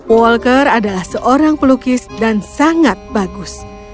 walker adalah seorang pelukis dan sangat bagus